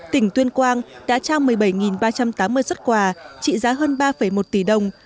tỉnh tuyên quang đã trao một mươi bảy ba trăm tám mươi xuất quà trị giá hơn ba một tỷ đồng